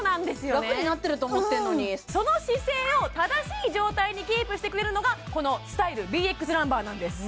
ラクになってると思ってんのにその姿勢を正しい状態にキープしてくれるのがこのスタイルＢＸランバーなんです